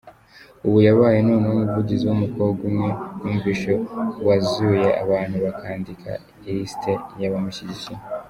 “Ubu yabaye noneho umuvugizi w’umukobwa umwe numvise wazuye abantu bakandika ilisiti y’abamushyigikiye.